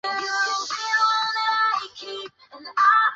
卡拉梅克是吉尔吉斯斯坦奥什州琼阿赖区下辖的一个村。